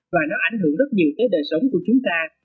và nó ảnh hưởng rất nhiều tới đời sống của chúng ta